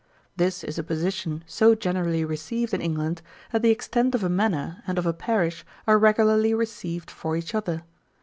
This is a position so generally received in England, that the extent of a manor and of a parish are regularly received for each other.